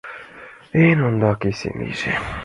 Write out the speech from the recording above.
— Эн ондак — эсен лийже!